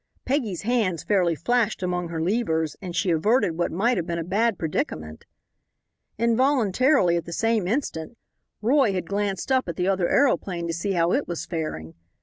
Peggy's hands fairly flashed among her levers, and she averted what might have been a bad predicament. Involuntarily, at the same instant, Roy had glanced up at the other aeroplane to see how it was faring.